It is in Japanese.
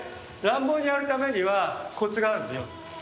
乱暴にやるためにはコツがあるんだよ。